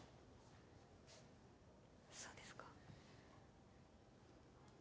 そうですか。